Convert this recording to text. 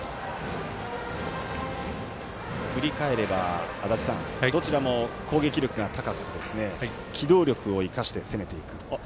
振り返ればどちらも攻撃力が高くて機動力を生かして攻めていく。